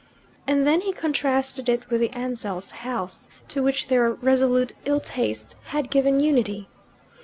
And then he contrasted it with the Ansells' house, to which their resolute ill taste had given unity.